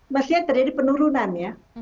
mestinya terjadi penurunan ya